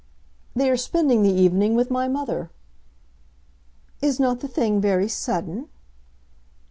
"They are spending the evening with my mother." "Is not the thing very sudden?"